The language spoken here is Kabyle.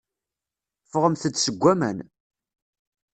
Ffɣemt-d seg waman.